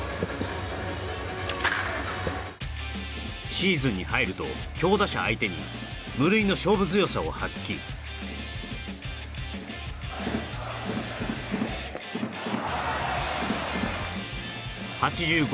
シーズンに入ると強打者相手に無類の勝負強さを発揮８５